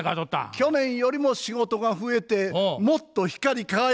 去年よりも仕事が増えてもっと光り輝くでしょう。